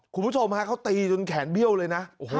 คุณผู้ชมฮะเขาตีจนแขนเบี้ยวเลยนะ